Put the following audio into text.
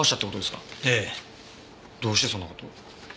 ええ。どうしてそんな事を？